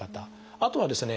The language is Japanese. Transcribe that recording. あとはですね